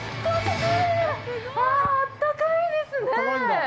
ああ、あったかいですね。